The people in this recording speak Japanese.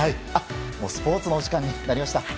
スポーツの時間になりました。